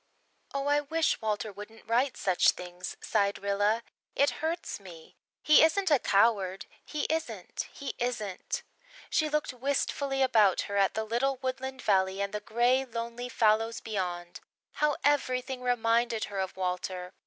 "Oh, I wish Walter wouldn't write such things," sighed Rilla. "It hurts me. He isn't a coward he isn't he isn't!" She looked wistfully about her at the little woodland valley and the grey, lonely fallows beyond. How everything reminded her of Walter!